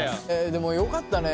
でもよかったね。